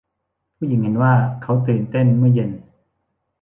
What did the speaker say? มีผู้หญิงเห็นว่าเค้าตื่นเต้นเมื่อเย็น